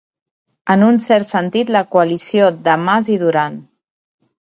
En un cert sentit, la coalició de Mas i Duran.